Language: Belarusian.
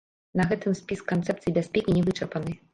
На гэтым спіс канцэпцый бяспекі не вычарпаны.